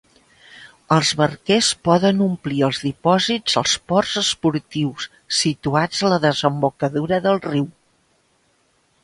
Els barquers poden omplir els dipòsits als ports esportius situats a la desembocadura del riu.